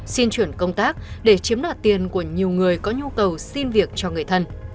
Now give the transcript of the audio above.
xin chuyển công tác để chiếm đoạt tiền của nhiều người có nhu cầu xin việc cho người thân